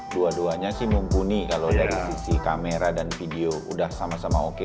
dua duanya sih mumpuni kalau dari sisi kamera dan video udah sama sama oke